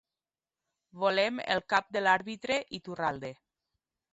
Volem el cap de l'àrbitre Iturralde.